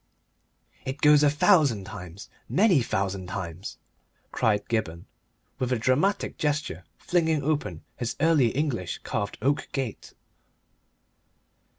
"It goes a thousand times, many thousand times!" cried Gibberne, with a dramatic gesture, flinging open his Early English carved oak gate.